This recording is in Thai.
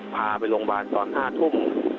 พาไปโรงพยาบาลตอน๕ทุ่ม